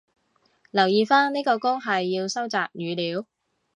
留意返呢個谷係要收集語料